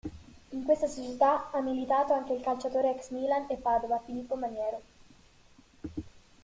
In questa società ha militato anche il calciatore ex Milan e Padova, Filippo Maniero.